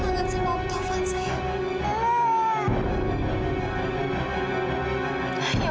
kafa kangen sama om taufan sayang